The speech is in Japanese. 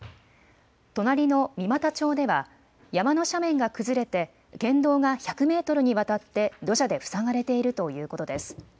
隣の三股町では山の斜面が崩れて県道が１００メートルにわたって土砂で塞がれているということです。